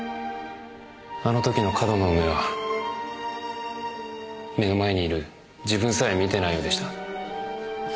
あの時の上遠野の目は目の前にいる自分さえ見てないようでした。